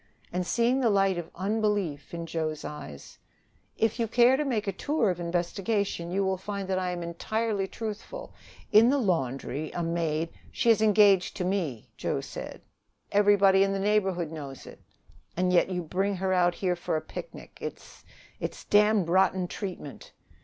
And, seeing the light of unbelief in Joe's eyes: "If you care to make a tour of investigation, you will find that I am entirely truthful. In the laundry a maid " "She is engaged to me" doggedly. "Everybody in the neighborhood knows it; and yet you bring her out here for a picnic! It's it's damned rotten treatment."